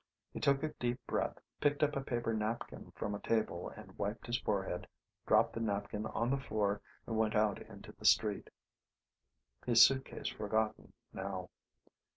He took a deep breath, picked up a paper napkin from a table and wiped his forehead, dropped the napkin on the floor and went out into the street, his suitcase forgotten now.